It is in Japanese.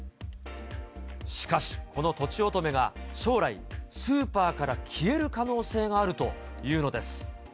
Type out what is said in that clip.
しかし、このとちおとめが将来、スーパーから消える可能性があるというのです。